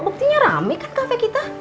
buktinya rame kan kafe kita